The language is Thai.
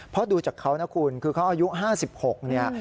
เพราะดูจากเขานะคุณคือเขาอายุ๕๖เนี่ย